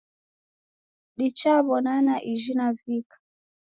Dichaw'onana ijhi navika